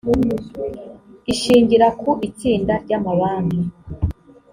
ishingira ku itsinda ryamabanki